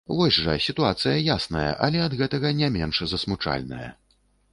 Вось жа, сітуацыя ясная, але ад гэтага не менш засмучальная.